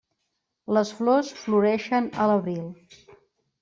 Les flors floreixen a l'abril.